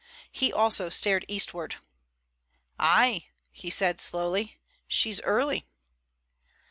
He also stared eastward. "Ay," he said slowly. "She's early."